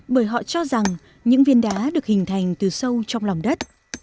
bởi họ cho rằng những viên đá được hình thành từ sâu trong lòng đất